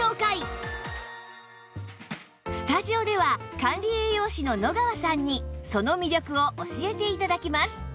スタジオでは管理栄養士の野川さんにその魅力を教えて頂きます